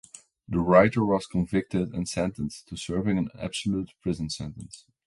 The writer was convicted and sentenced to serving an absolute prison sentence.